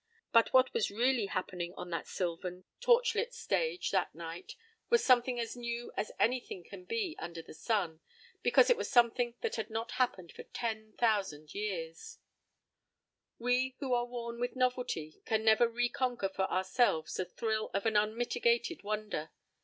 —But what was really happening on that sylvan, torchlit stage that night was something as new as anything can be under the sun, because it was something that had not happened for ten thousand years.— We who are worn with novelty can never reconquer for ourselves the thrill of an unmitigated wonder.